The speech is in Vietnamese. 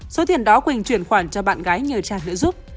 số tiền đó quỳnh chuyển khoản cho bạn gái nhờ trang nữa giúp